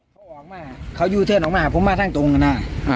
เขาออกมาเขายูเทศออกมาพบมาทางตรงกันนะอ่า